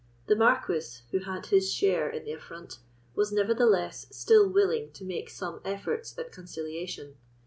The Marquis, who had his share in the affront, was, nevertheless, still willing to make some efforts at conciliation.